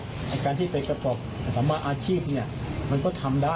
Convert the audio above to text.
แต่การที่สามารถเป็นอาชีพเนี่ยมันก็ทำได้